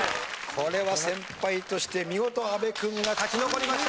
これは先輩として見事阿部君が勝ち残りました。